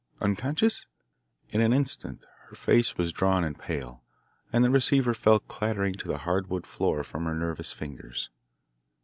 unconscious?" In an instant her face was drawn and pale, and the receiver fell clattering to the hard wood floor from her nerveless fingers.